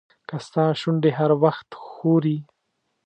که ستا شونډې هر وخت ښوري.